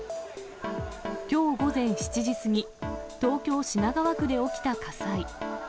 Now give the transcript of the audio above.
きょう午前７時過ぎ、東京・品川区で起きた火災。